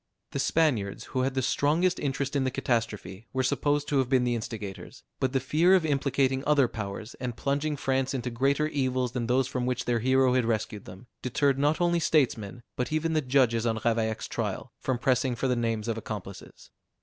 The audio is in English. The Spaniards, who had the strongest interest in the catastrophe, were supposed to have been the instigators; but the fear of implicating other powers, and plunging France into greater evils than those from which their hero had rescued them, deterred not only statesmen, but even the judges on Ravaillac's trial, from pressing for the names of accomplices.